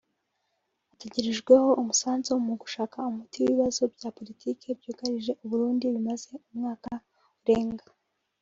Ategerejweho umusanzu mu gushaka umuti w’ibibazo bya politiki byugarije u Burundi bimaze umwaka urenga